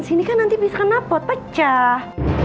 sini kan nanti bisa kenapa pecah